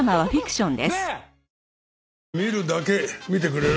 見るだけ見てくれる？